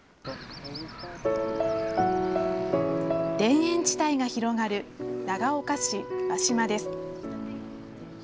田園地帯が広がる長岡市和島です。